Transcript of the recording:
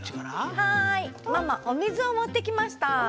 はいママおみずをもってきました。